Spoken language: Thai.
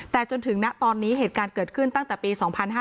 แต่จนถึงณตอนนี้เหตุการณ์เกิดขึ้นตั้งแต่ปี๒๕๕๙